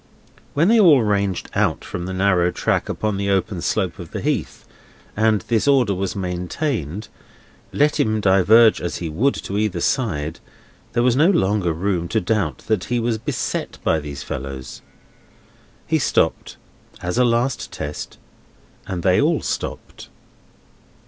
When they all ranged out from the narrow track upon the open slope of the heath, and this order was maintained, let him diverge as he would to either side, there was no longer room to doubt that he was beset by these fellows. He stopped, as a last test; and they all stopped.